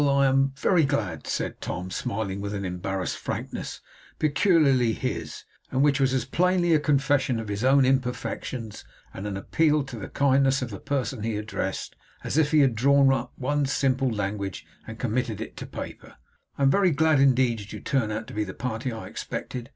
I I am very glad,' said Tom, smiling with an embarrassed frankness peculiarly his, and which was as plainly a confession of his own imperfections, and an appeal to the kindness of the person he addressed, as if he had drawn one up in simple language and committed it to paper: 'I am very glad indeed that you turn out to be the party I expected.